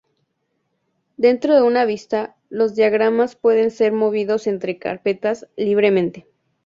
Dentro de una vista, los diagramas pueden ser movidos entre carpetas libremente.